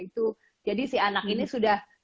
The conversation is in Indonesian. itu jadi si anak ini sudah